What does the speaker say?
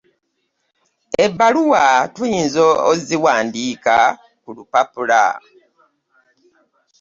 Ebbaluwa tuyinza oziwandiika ku lupapula.